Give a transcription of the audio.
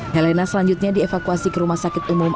helena selanjutnya dievakuasi ke rumah sakit umum